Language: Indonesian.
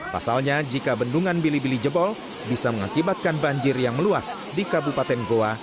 pasalnya jika bendungan bili bili jebol bisa mengakibatkan banjir yang meluas di kabupaten goa